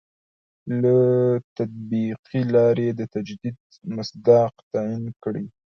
له تطبیقي لاري د تجدید مصداق تعین کړي.